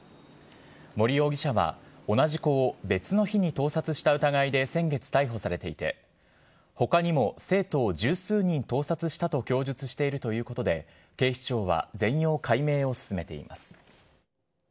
森容疑者は、同じ子を別の日に盗撮した疑いで先月、逮捕されていて、ほかにも生徒を十数人盗撮したと供述しているということで、警視庁は全容解明を進めています。